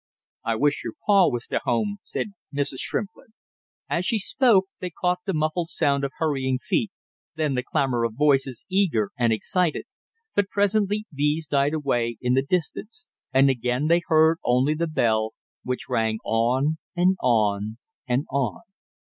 "I wish your pa was to home!" said Mrs. Shrimplin. As she spoke they caught the muffled sound of hurrying feet, then the clamor of voices, eager and excited; but presently these died away in the distance, and again they heard only the bell, which rang on and on and on.